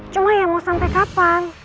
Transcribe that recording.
cuma ya mau sampai kapan